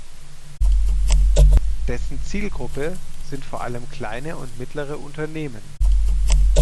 Dessen Zielgruppe sind vor allem kleine und mittlere Unternehmen.